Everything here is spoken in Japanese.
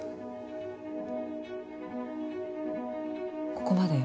ここまでよ